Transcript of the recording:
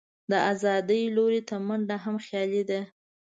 د آزادۍ لور ته منډه هم خیالي ده.